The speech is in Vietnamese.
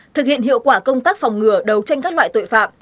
thực hiện hiệu quả công tác phòng ngừa đấu tranh các loại tội phạm